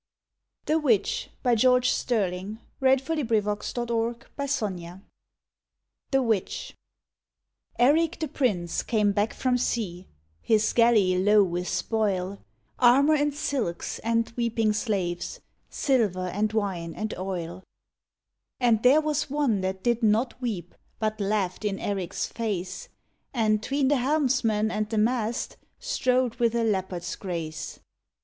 E PRESENT 167 WAR, THE FUTURE 168 THE CAGED EAGLE AND OTHER POEMS THE WITCH Erik the prince came back from sea, His galley low with spoil Armor and silks and weeping slaves, Silver and wine and oil. And there was one that did not weep, But laughed in Erik s face, And tween the helmsman and the mast Strode with a leopard s grace.